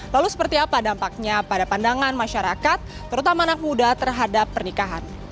lalu seperti apa dampaknya pada pandangan masyarakat terutama anak muda terhadap pernikahan